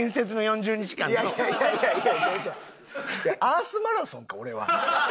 アースマラソンか俺は。